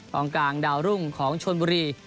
ตอนกลางดาวรุ่งของชวนบุรี